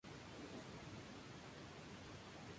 Disputó un total de tres Juegos Olímpicos.